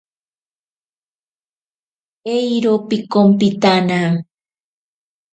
Eero pikompitana.